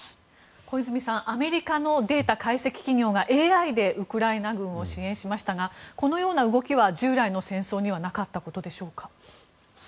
小泉さんアメリカのデータ解析企業がＡＩでウクライナ軍を支援しましたがこのような動きは従来の戦争にはなかったことでしょうか？